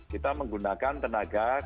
kita menggunakan tenaga